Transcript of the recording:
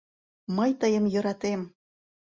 Мый тыйым йӧратем!